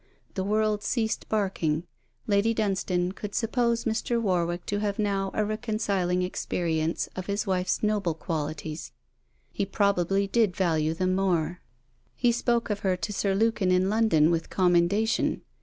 The world ceased barking. Lady Dunstane could suppose Mr. Warwick to have now a reconciling experience of his wife's noble qualities. He probably did value them more. He spoke of her to Sir Lukin in London with commendation.